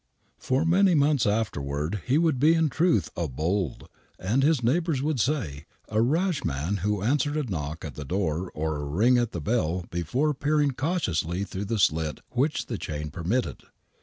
For many months afterward he would be in truth a bold, and, his «\» THE WHITECHAPEL MURDERS 41 neighbors would say, a rash man who answered a knock at the door or a ring at the bell before peering cautiously through the slit which the chain permitted.